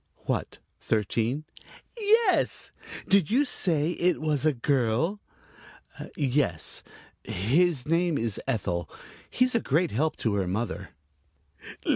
"What, thirteen?" "Yes. Did you say it was a girl?" "Yes, his name's Ethel. He's a great help to her mother."